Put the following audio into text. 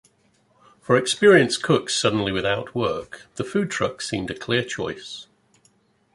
For experienced cooks suddenly without work, the food truck seemed a clear choice.